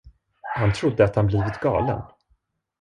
Han trodde, att han blivit galen.